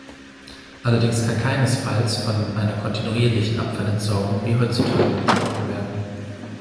Allerdings kann keinesfalls von einer kontinuierlichen Abfallentsorgung wie heutzutage gesprochen werden.